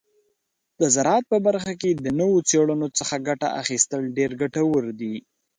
د زراعت په برخه کې د نوو څیړنو څخه ګټه اخیستل ډیر ګټور دي.